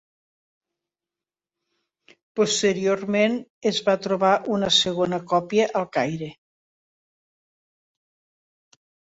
Posteriorment es va trobar una segona còpia al Caire.